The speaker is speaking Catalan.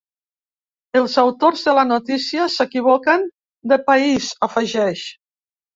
Els autors de la notícia s’equivoquen de país, afegeix.